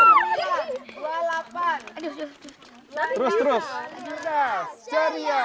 berdas caria semangat luar biasa